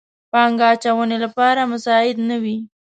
پانګه اچونې لپاره مساعد نه وي.